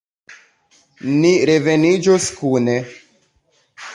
Ni revenĝos kune.